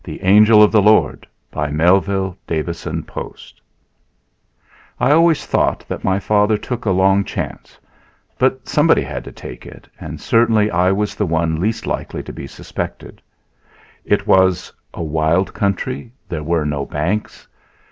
Chapter 3 The Angel of the Lord I ALWAYS THOUGHT my father took a long chance, but somebody had to take it and certainly I was the one least likely to be suspected. It was a wild country. There were no banks.